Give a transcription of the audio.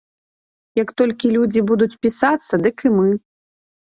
Як толькі людзі будуць пісацца, дык і мы.